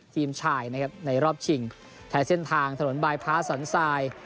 ทีมชายนะครับในรอบชิงใช้เส้นทางถนนบายพ้าสันทราย